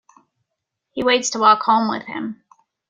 He waits to walk home with him.